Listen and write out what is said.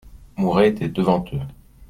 Mouret était devant eux.